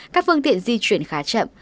các phương tiện di chuyển khá chậm